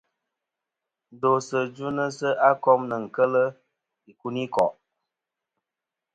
Ndosɨ dvɨnɨsɨ a kom nɨn kel ikunikò'.